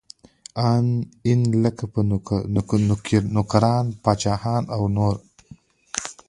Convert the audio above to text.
ان لکه په نوکران، پاچاهان او نور کې.